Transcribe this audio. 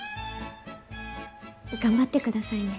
頑張ってくださいね。